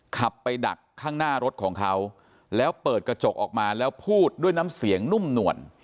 ขับไปดักข้างหน้ารถของเขาแล้วเปิดกระจกออกมาแล้วพูดด้วยน้ำเสียงนุ่มหน่วน